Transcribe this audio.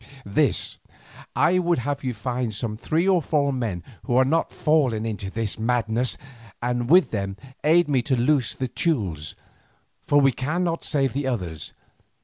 "This: I would have you find some three or four men who are not fallen into this madness, and with them aid me to loose the Teules, for we cannot save the others.